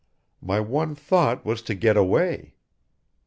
My one thought was to get away.